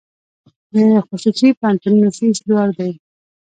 د خصوصي پوهنتونونو فیس لوړ دی؟